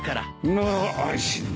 なら安心だ。